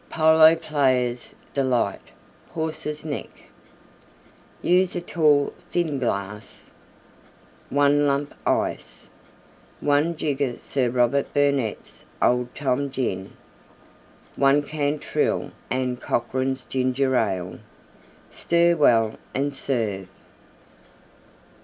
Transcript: POLO PLAYERS' DELIGHT Horse's Neck\s+\d\d? Use a tall, thin glass. 1 lump Ice. 1 jigger Sir Robert Burnette's Old Tom Gin. 1 Cantrell & Cochran's Ginger Ale. Stir well and serve.